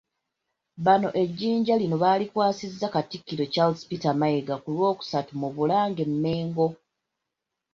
Bano ejjinja lino balikwasizza Katikkiro Charles Peter Mayiga ku Lwokusatu mu Bulange e Mmengo